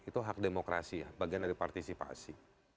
itu hak demokrasi ya bagian dari partisipasi